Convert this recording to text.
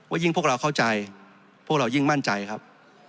ยิ่งพวกเราเข้าใจพวกเรายิ่งมั่นใจครับ